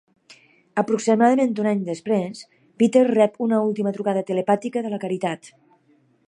Aproximadament un any després, Peter rep una última trucada telepàtica de la caritat.